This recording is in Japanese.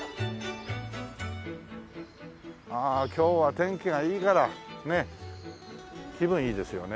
ああ今日は天気がいいからねえ気分いいですよね。